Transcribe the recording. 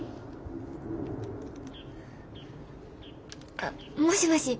あもしもし。